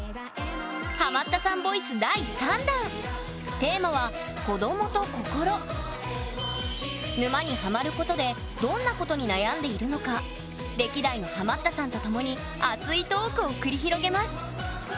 今回はＮＨＫで展開中の沼にハマることでどんなことに悩んでいるのか歴代のハマったさんと共に熱いトークを繰り広げます！